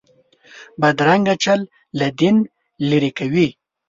بدرنګه چل له دین لرې کوي